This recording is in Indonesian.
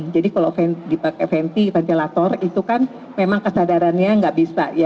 jadi kalau dipakai venti ventilator itu kan memang kesadarannya tidak bisa ya